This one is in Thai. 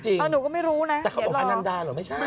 ก็เรียกจริงแต่เขาบอกอันนันดาหรอไม่ใช่